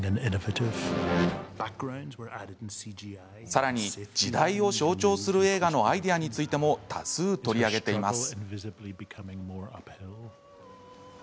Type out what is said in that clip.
さらに時代を象徴する映画のアイデアについても多数、取り上げています。